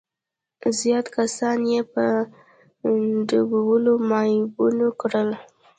زيات کسان يې په ډبولو معيوبان کړل.